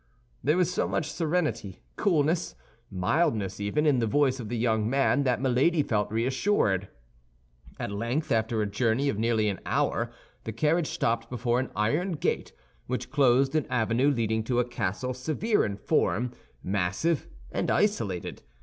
There was so much serenity, coolness, mildness even, in the voice of the young man, that Milady felt reassured. At length after a journey of nearly an hour, the carriage stopped before an iron gate, which closed an avenue leading to a castle severe in form, massive, and isolated.